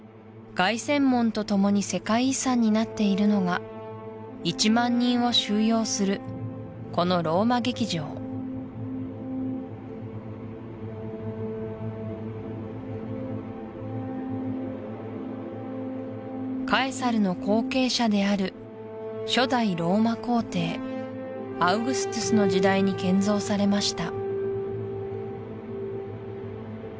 凱旋門とともに世界遺産になっているのが１万人を収容するこのローマ劇場カエサルの後継者である初代ローマ皇帝アウグストゥスの時代に建造されました